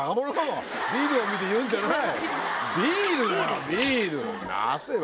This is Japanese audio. ビールを見て言うんじゃない！